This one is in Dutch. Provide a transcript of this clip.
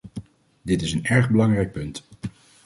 Dit is een erg belangrijk punt.